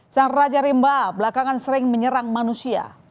sang raja rimba belakangan sering menyerang manusia